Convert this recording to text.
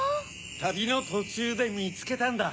たびのとちゅうでみつけたんだ。